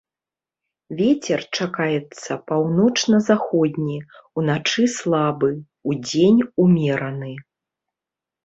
Вецер чакаецца паўночна-заходні, уначы слабы, удзень умераны.